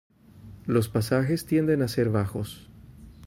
Los pasajes tienden a ser bajos.